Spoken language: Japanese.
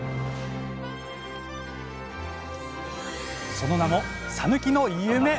その名も「さぬきの夢」。